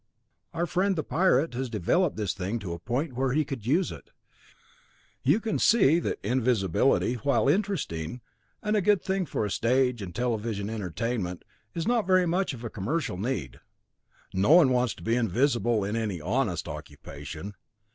Our friend the pirate has developed this thing to a point were he could use it. You can see that invisibility, while interesting, and a good thing for a stage and television entertainment, is not very much of a commercial need. No one wants to be invisible in any honest occupation.